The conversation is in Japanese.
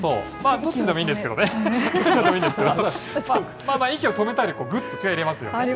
どっちでもいいんですけどね、どっちでもいいんですけど、ただ、息を止めたり、ぐっと力を入れたりしますよね。